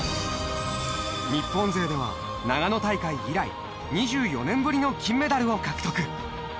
日本勢では長野大会以来２４年ぶりの金メダルを獲得。